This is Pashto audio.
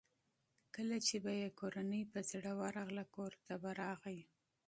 کله چې به یې کورنۍ په زړه ورغله کورته به راغی.